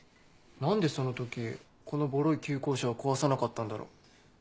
何でその時このボロい旧校舎を壊さなかったんだろう。